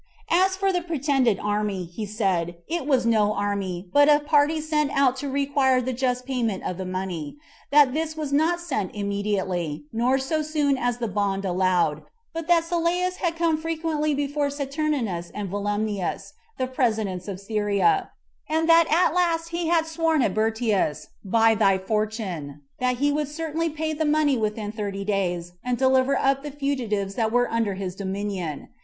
"As for the pretended army," he said, "it was no army, but a party sent out to require the just payment of the money; that this was not sent immediately, nor so soon as the bond allowed, but that Sylleus had frequently come before Saturninus and Volumnius, the presidents of Syria; and that at last he had sworn at Berytus, by thy fortune, 13 that he would certainly pay the money within thirty days, and deliver up the fugitives that were under his dominion.